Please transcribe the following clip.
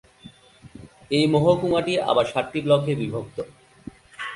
এই মহকুমাটি আবার সাতটি ব্লকে বিভক্ত।